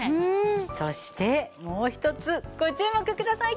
そしてもう一つご注目ください。